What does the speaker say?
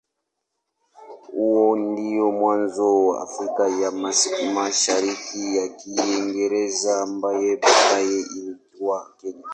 Huo ndio mwanzo wa Afrika ya Mashariki ya Kiingereza ambaye baadaye iliitwa Kenya.